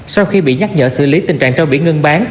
sau khi bị nhắc nhở xử lý tình trạng trâu bị ngưng bán